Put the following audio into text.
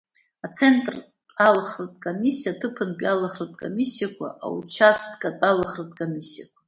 Ацентртә алхратә комиссиа, аҭыпантәи алхратә комиссиақәа, аучасткатә алхратә комиссиақәа.